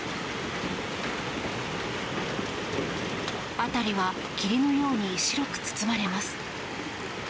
辺りは霧のように白く包まれます。